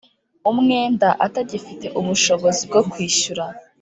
umwenda atagifite ubushobozi bwo kwishyura